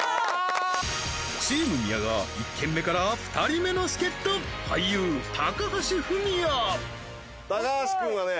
チーム宮川１軒目から２人目の助っ人高橋くんはね